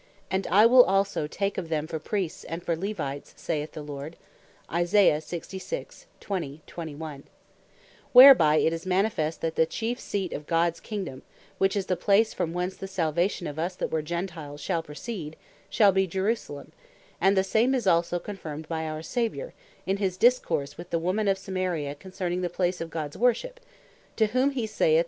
And I will also take of them for Priests and for Levites, saith the Lord:" Whereby it is manifest, that the chief seat of Gods Kingdome (which is the Place, from whence the Salvation of us that were Gentiles, shall proceed) shall be Jerusalem; And the same is also confirmed by our Saviour, in his discourse with the woman of Samaria, concerning the place of Gods worship; to whom he saith, John 4.